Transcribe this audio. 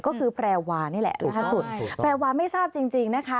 ก็คือแพร่วาเนี่ยแหละแพร่วาไม่ทราบจริงนะคะ